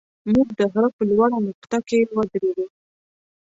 موږ د غره په لوړه نقطه کې ودرېدو.